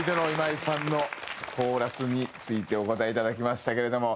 今井さんのコーラスについてお答えいただきましたけれども。